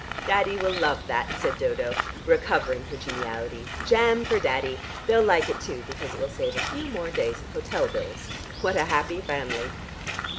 "Daddy will love that," said Dodo, recovering her geniality. "Jam for Daddy. They'll like it too, because it will save a few more days of hotel bills. What a happy family!"